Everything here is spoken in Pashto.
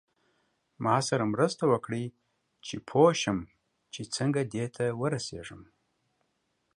ما سره مرسته وکړئ چې پوه شم چې څنګه دې ته ورسیږم.